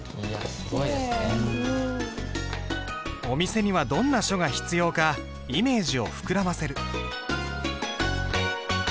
お店にはどんな書が必要かイメージを膨らませる。